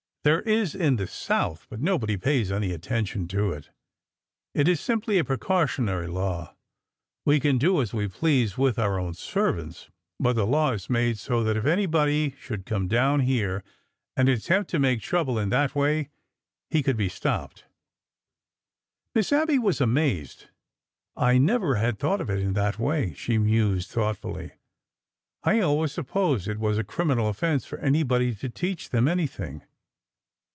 There is in the South, but nobody pays any attention to it. It is simply a precautionary law. We can do as we please with our own servants. But the law is made so that if anybody should come down here and attempt to make trouble in that way, he could be stopped." Miss Abby was amazed. " I never had thought of it in that way," she mused thoughtfully. " I always sup posed it was a criminal offense for anybody to teach them anything."